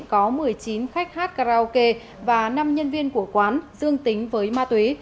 có một mươi chín khách hát karaoke và năm nhân viên của quán dương tính với ma túy